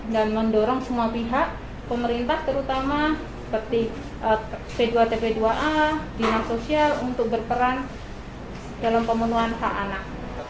dan mendorong semua pihak pemerintah terutama seperti p dua tp dua a dinas sosial untuk berperan dalam pemenuhan hak anak